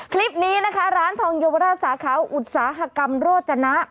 คลิปนี้นะคะร้านทองเยาวราชสาขาวอุตสาหกรรมโรจนะ